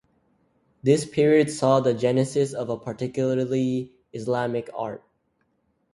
This period saw the genesis of a particularly Islamic art.